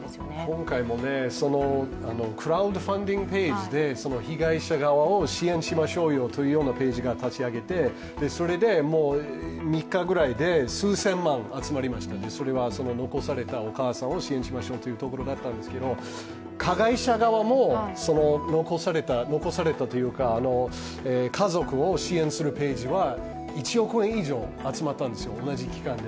今回もクラウドファンディングで被害者側を支援しましょうよというようなページを立ち上げて、３日ぐらいで数千万集まりました、それは残されたお母さんを支援しましょうということだったんですけど、加害者側も、家族を支援するページは１億円以上集まったんです、同じ期間で。